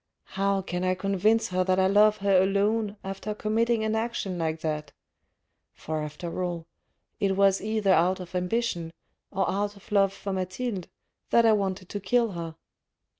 " How can I convince her that I love her alone after committing an action like that ? For after all, it was either out of ambition, or out of love for Mathilde, that I wanted to kill her."